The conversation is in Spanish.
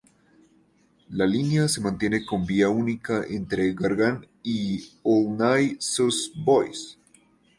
La línea se mantiene con vía única entre Gargan y Aulnay-sous-Bois.